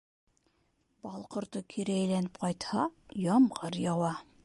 Бал ҡорто кире әйләнеп ҡайтһа, ямғыр яуа.